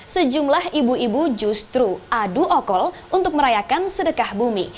sejumlah ibu ibu justru adu okol untuk merayakan sedekah bumi